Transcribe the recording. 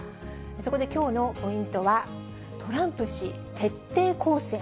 そこできょうのポイントは、トランプ氏徹底抗戦。